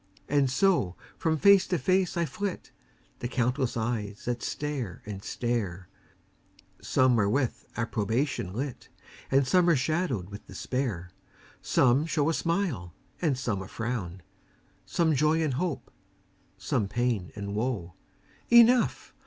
And so from face to face I flit, The countless eyes that stare and stare; Some are with approbation lit, And some are shadowed with despair. Some show a smile and some a frown; Some joy and hope, some pain and woe: Enough!